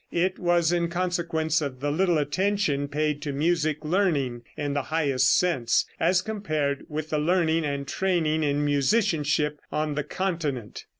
It was in consequence of the little attention paid to musical learning in the highest sense, as compared with the learning and training in musicianship on the continent.